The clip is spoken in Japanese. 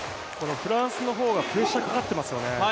フランスの方がプレッシャーかかってますよね。